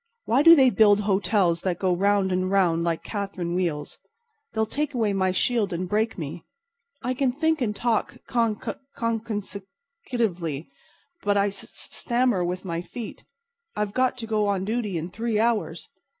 "Why do they build hotels that go round and round like catherine wheels? They'll take away my shield and break me. I can think and talk con con consec sec secutively, but I s s stammer with my feet. I've got to go on duty in three hours.